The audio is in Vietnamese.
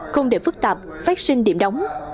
không để phức tạp phát sinh điểm đóng